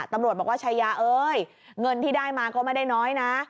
ตำรวจบอกว่าชายาเอ้ยเงินที่ได้มาก็ไม่ได้น้อยนะ